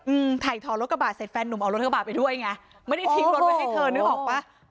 อืมถ่ายถอนรถกระบาดเสร็จแฟนหนุ่มออกรถกระบาดไปด้วยไงไม่ได้ทิ้งรถไว้ให้เธอนึกออกป่ะ